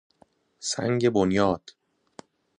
سنگ بنیاد